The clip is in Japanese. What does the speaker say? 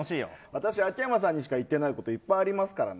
私、秋山さんにしか言ってないこといっぱいありますからね。